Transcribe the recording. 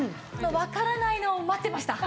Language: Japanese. わからないのを待ってました！